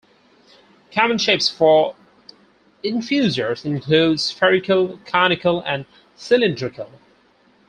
Common shapes for infusers include spherical, conical and cylindrical.